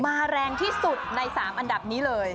แรงที่สุดใน๓อันดับนี้เลย